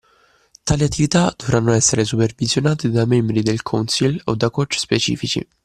Tali attività dovranno essere supervisionate da membri del council o da coach specifici